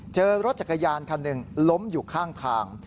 เจอรถจักรยานคันหนึ่งล้มอยู่ข้างทาง